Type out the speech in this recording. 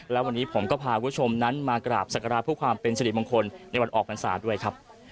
แล้ววันนี้ผมก็พาผู้ชมนั้นมากราบศักราชภูมิความเป็นสฤทธิบังคลในวันออกภัณฑ์ศาสตร์ด้วยครับ